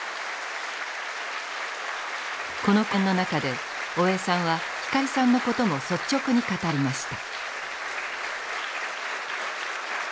この講演の中で大江さんは光さんのことも率直に語りました。